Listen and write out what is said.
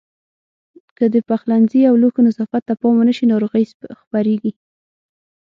که د پخلنځي او لوښو نظافت ته پام ونه شي ناروغۍ خپرېږي.